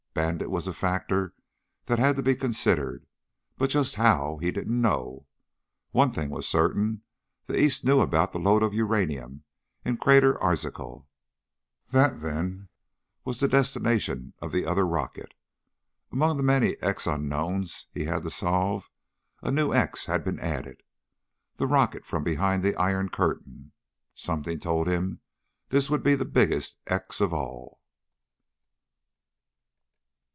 Bandit was a factor that had to be considered, but just how he didn't know. One thing was certain. The East knew about the load of uranium in Crater Arzachel. That, then, was the destination of the other rocket. Among the many X unknowns he had to solve, a new X had been added; the rocket from behind the Iron Curtain. Something told him this would be the biggest X of all.